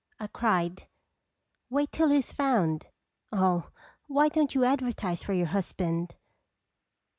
" I cried. "Wait till he is found. Oh, why don't you advertise for your husband?"